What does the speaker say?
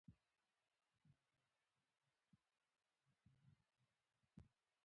تعلیم لرونکې میندې د ماشومانو د روغتیا په اړه پوښتنې کوي.